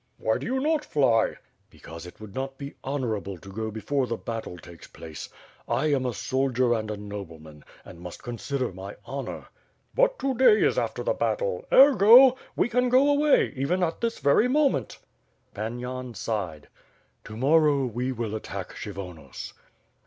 "Why do you not fly?" "Because it would not be honorable to go before the battle takes place. I am a soldier and a nobleman, and must con sider my honor. .." "But to day is after the battle, ergo ... we can go away, even this very moment." Pan Yan sighed. "To morrow we will attack Kshyvonos."